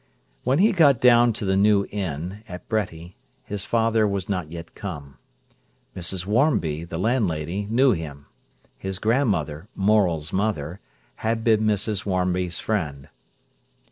When he got down to the New Inn, at Bretty, his father was not yet come. Mrs. Wharmby, the landlady, knew him. His grandmother, Morel's mother, had been Mrs. Wharmby's friend.